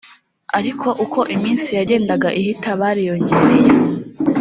ariko uko iminsi yagendaga ihita bariyongereye